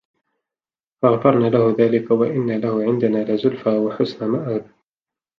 فَغَفَرنا لَهُ ذلِكَ وَإِنَّ لَهُ عِندَنا لَزُلفى وَحُسنَ مَآبٍ